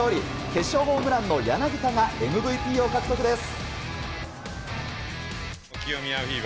決勝ホームランの柳田がＭＶＰを獲得です。